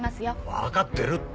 わかってるって。